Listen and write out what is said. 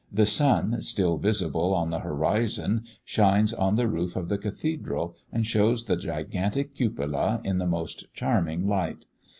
The sun, still visible on the horizon, shines on the roof of the cathedral, and shows the gigantic cupola in the most charming light.